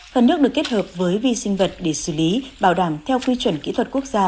phần nước được kết hợp với vi sinh vật để xử lý bảo đảm theo quy chuẩn kỹ thuật quốc gia